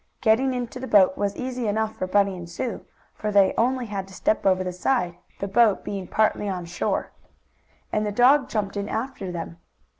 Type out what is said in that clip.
Getting into the boat was easy enough for Bunny and Sue, for they only had to step over the side, the boat being partly on shore. And the dog jumped in after them.